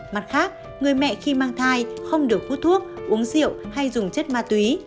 mặt khác người mẹ khi mang thai không được hút thuốc uống rượu hay dùng chất ma túy